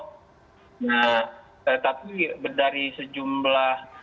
nah tapi dari sejumlah